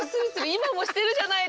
今もしてるじゃないですか。